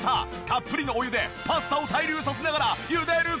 たっぷりのお湯でパスタを対流させながらゆでる